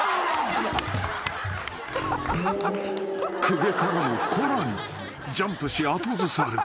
［公家からの「コラ！」にジャンプし後ずさる］